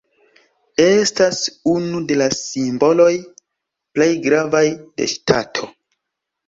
Estas unu de la simboloj plej gravaj de ŝtato.